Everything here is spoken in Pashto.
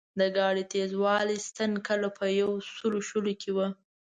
د ګاډۍ تېزوالي ستن کله په یو سلو شلو کې وه.